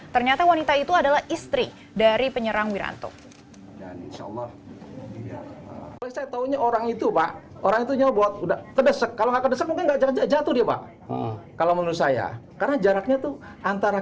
ternyata wanita itu adalah istri dari penyerang wiranto